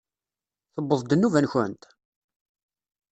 Tewweḍ-d nnuba-nkent?